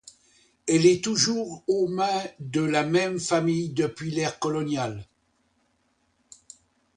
Elle est toujours aux mains de la même famille depuis l'ère coloniale.